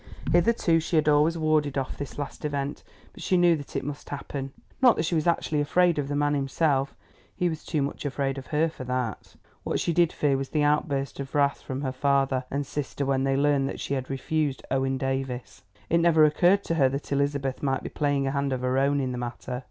Hitherto she had always warded off this last event, but she knew that it must happen. Not that she was actually afraid of the man himself; he was too much afraid of her for that. What she did fear was the outburst of wrath from her father and sister when they learned that she had refused Owen Davies. It never occurred to her that Elizabeth might be playing a hand of her own in the matter.